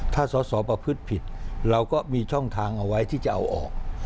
ถ้าสอสอประพฤติผิดเราก็มีช่องทางเอาไว้ที่จะเอาออก